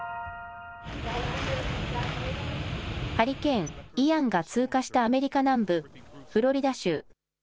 ハリケーン・イアンが通過したアメリカ南部フロリダ州。